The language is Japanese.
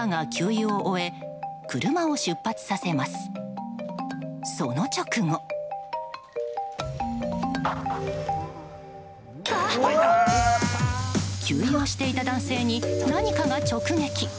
給油をしていた男性に何かが直撃。